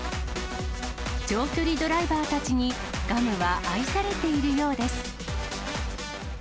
長距離ドライバーたちにガムは愛されているようです。